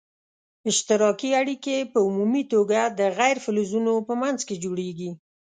اشتراکي اړیکي په عمومي توګه د غیر فلزونو په منځ کې جوړیږي.